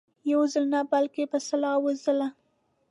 یو ځل نه بلکې په سلهاوو ځله.